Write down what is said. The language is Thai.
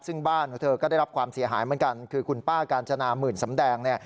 ซึ่งบ้านของเธอก็ได้รับความเสียหายเหมือนกันคือคุณป้ากาญจนาหมื่นสำแดงเนี่ย